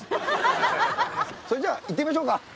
それじゃあ行ってみましょうか。